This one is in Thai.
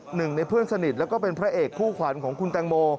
หนึ่งในเพื่อนสนิทแล้วก็เป็นพระเอกคู่ขวัญของคุณแตงโม